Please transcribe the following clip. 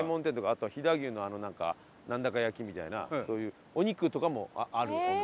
あとは飛騨牛のナンダカ焼きみたいなそういうお肉とかもあるお店で。